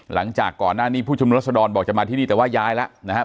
หลังจากก่อนหน้านี้ผู้ชุมนุมรัศดรบอกจะมาที่นี่แต่ว่าย้ายแล้วนะครับ